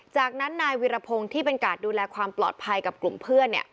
จากนั้นนายวิรพงศ์ที่เป็นกาดดูแลความปลอดภัยกับกลุ่มเพื่อน